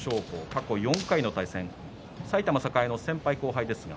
過去４回の対戦埼玉栄の先輩後輩です。